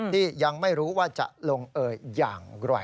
ที่ยังไม่รู้ว่าจะลงเอยอย่างไร